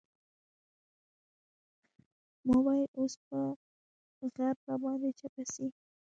ما ويل اوس به غر راباندې چپه سي.